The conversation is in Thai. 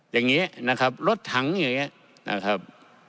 อย่างนี้รถทั้งอย่างงี้